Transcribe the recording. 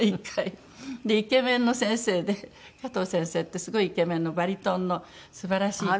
イケメンの先生でカトウ先生ってすごいイケメンのバリトンの素晴らしい。